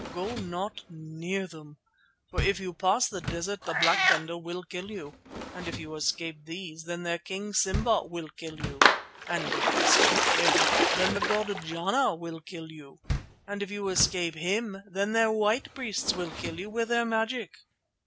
Go not near them, for if you pass the desert the Black Kendah will kill you; and if you escape these, then their king, Simba, will kill you; and if you escape him, then their god Jana will kill you; and if you escape him, then their white priests will kill you with their magic.